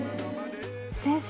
先生